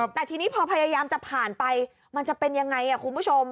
แต่ทีนี้พอพยายามจะผ่านไปมันจะเป็นยังไงคุณผู้ชม